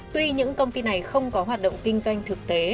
tuy những công ty này không có hoạt động kinh doanh thực tế